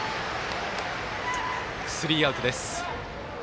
スリーアウトです。